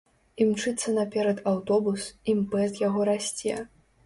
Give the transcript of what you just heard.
Імчыцца наперад аўтобус, імпэт яго расце.